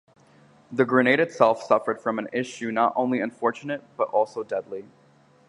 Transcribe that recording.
The grenade itself suffered from an issue not only unfortunate, but also deadly.